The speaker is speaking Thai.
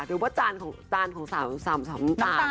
หรือว่าจานของสาวน้ำตาล